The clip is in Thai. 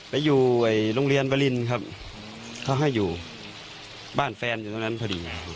ไปอยู่โรงเรียนวรินครับเขาให้อยู่บ้านแฟนอยู่ตรงนั้นพอดีไง